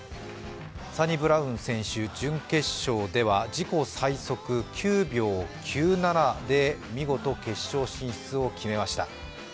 サニブラウン選手、準決勝では自己最速９秒９７で見事決勝進出を決めました。